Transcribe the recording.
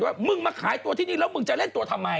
ว่ามึงมาขายตัวที่นี่แล้วมึงจะเล่นตัวทำไม